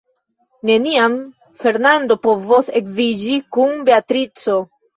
Neniam Fernando povos edziĝi kun Beatrico.